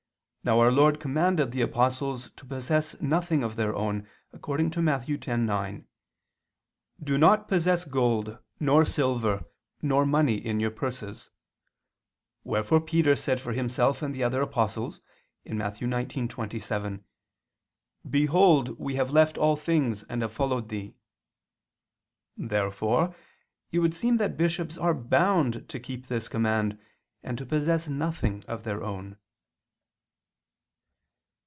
Now our Lord commanded the apostles to possess nothing of their own, according to Matt. 10:9, "Do not possess gold, nor silver, nor money in your purses"; wherefore Peter said for himself and the other apostles (Matt. 19:27): "Behold we have left all things and have followed Thee." Therefore it would seem that bishops are bound to keep this command, and to possess nothing of their own.